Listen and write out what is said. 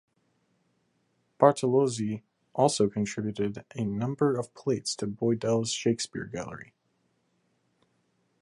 Bartolozzi also contributed a number of plates to Boydell's Shakespeare Gallery.